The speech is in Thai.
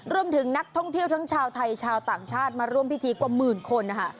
รวมถึงนักท่องเที่ยวทั้งชาวไทยชาวต่างชาติมาร่วมพิธีกว่าหมื่นคนนะคะ